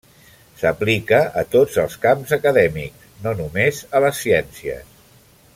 S'aplica a tots els camps acadèmics, no només a les ciències.